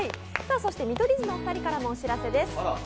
見取り図のお二人からもお知らせです。